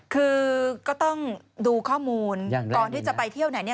คือก็ต้องดูข้อมูลก่อนที่จะไปเที่ยวไหนเนี่ย